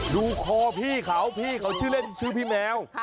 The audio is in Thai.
ดูคอพี่เขาพี่เขาชื่อเล่นชื่อพี่แมว